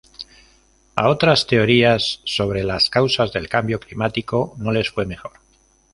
A otras teorías sobre las causas del cambio climático no les fue mejor.